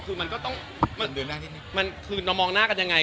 คือมันก็ต้องมองหน้ากันยังไง